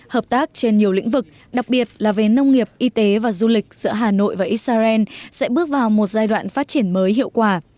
hợp tác trên nhiều lĩnh vực đặc biệt là về nông nghiệp y tế và du lịch giữa hà nội và israel sẽ bước vào một giai đoạn phát triển mới hiệu quả